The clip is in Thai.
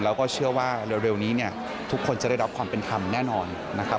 เราก็เชื่อว่าเร็วนี้ทุกคนจะได้รับความเป็นคำแน่นอน